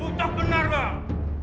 ucap benar bang